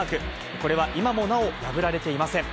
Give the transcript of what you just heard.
これは今もなお、破られていません。